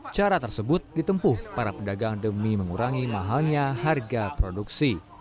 cara tersebut ditempuh para pedagang demi mengurangi mahalnya harga produksi